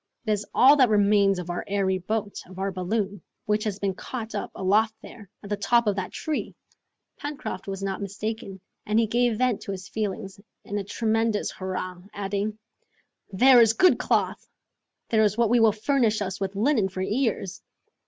"It is all that remains of our airy boat, of our balloon, which has been caught up aloft there, at the top of that tree!" Pencroft was not mistaken, and he gave vent to his feelings in a tremendous hurrah, adding, "There is good cloth! There is what will furnish us with linen for years.